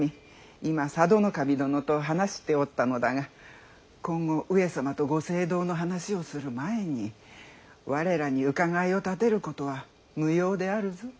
今佐渡守殿と話しておったのだが今後上様とご政道の話をする前に我らに伺いを立てることは無用であるぞ。